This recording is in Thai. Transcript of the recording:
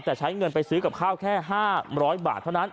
แต่ใช้เงินไปซื้อกับข้าวแค่๕๐๐บาทเท่านั้น